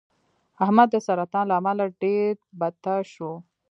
احمد د سرطان له امله ډېر بته شو.